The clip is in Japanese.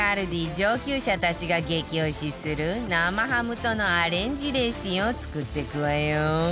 上級者たちが激推しする生ハムとのアレンジレシピを作っていくわよ